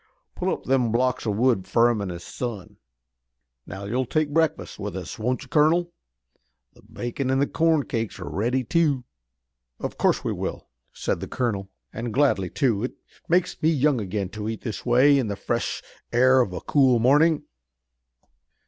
Pull up them blocks o' wood fur him an' his son. Now you'll take breakfast with us, won't you, colonel? The bacon an' the corn cakes are ready, too." "Of course we will," said the colonel, "and gladly, too. It makes me young again to eat this way in the fresh air of a cool morning."